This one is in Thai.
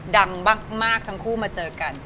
ดังมากทั้งคู่มาเจอกัน